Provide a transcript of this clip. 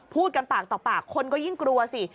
พูดกันปากต่อปากคนก็ยิ่งกลัวสิ